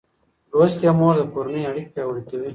لوستې مور د کورنۍ اړیکې پیاوړې کوي.